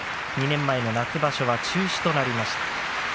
２年前の夏場所は中止となりました。